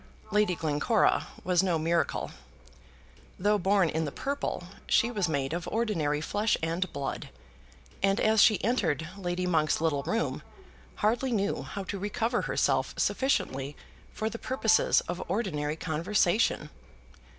Lady Glencora was no miracle. Though born in the purple, she was made of ordinary flesh and blood, and as she entered Lady Monk's little room, hardly knew how to recover herself sufficiently for the purposes of ordinary conversation.